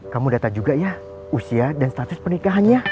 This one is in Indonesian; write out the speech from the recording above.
kamu data juga ya usia dan status pernikahannya